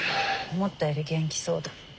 思ったより元気そうだ。